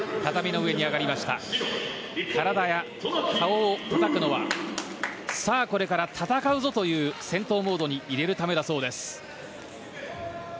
気合が入っていますのでしっかりと顔をたたくのはこれから戦うぞという戦闘モードに入れるためだそうです。